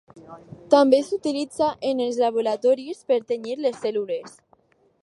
També s'utilitza en els laboratoris per tenyir les cèl·lules.